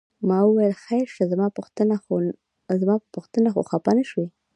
ما وویل خیر شه زما په پوښتنه خو خپه نه شوې؟